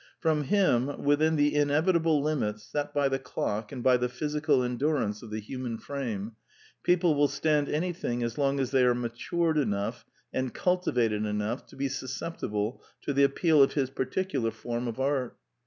From him, within the inevitable limits set by the clock and by the physical endurance of the human frame, people will stand anything as soon as they are matured enough and cultivated enough to be sus ceptible to the appeal of his particular form of art.